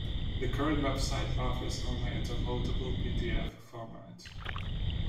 The current website offers only a downloadable pdf format.